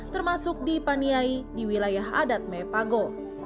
termasuk di paniai di wilayah adat mepago